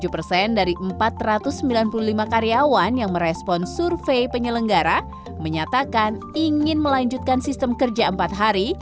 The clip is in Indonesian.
tujuh persen dari empat ratus sembilan puluh lima karyawan yang merespon survei penyelenggara menyatakan ingin melanjutkan sistem kerja empat hari